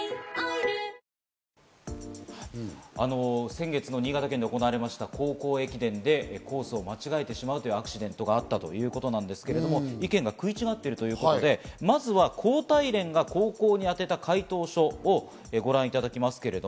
先月の新潟県で行われた高校駅伝で、コースを間違えてしまうというアクシデントがあったということですが、意見が食い違っているということで、まずは高体連が高校に宛てた回答書をご覧いただきます。